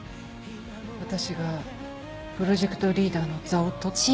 私がプロジェクトリーダーの座を取った時。